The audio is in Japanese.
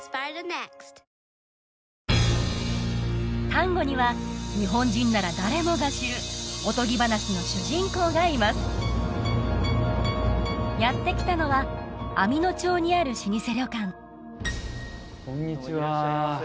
丹後には日本人なら誰もが知るおとぎ話の主人公がいますやって来たのは網野町にある老舗旅館こんにちは